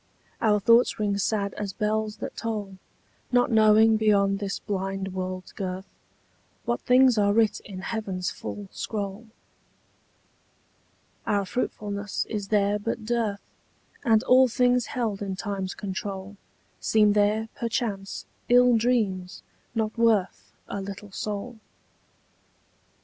Our thoughts ring sad as bells that toll, Not knowing beyond this blind world's girth What things are writ in heaven's full scroll. Our fruitfulness is there but dearth, And all things held in time's control Seem there, perchance, ill dreams, not worth A little soul.